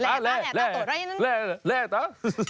แหละแลร่าตัวละอันนั้น